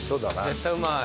絶対うまい。